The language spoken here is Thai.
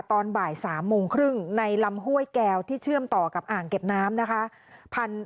ตอนบ่าย๓โมงครึ่งในลำห้วยแก้วที่เชื่อมต่อกับอ่างเก็บน้ำนะคะ